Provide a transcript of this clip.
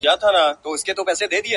• په یوه تعویذ مي سم درته پر لار کړ ,